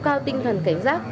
cần nước cao tinh thần cảnh giác